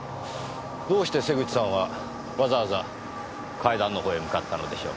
どうして瀬口さんはわざわざ階段のほうへ向かったのでしょう？